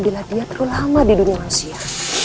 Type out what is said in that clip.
bila dia terlalu lama di dunia manusia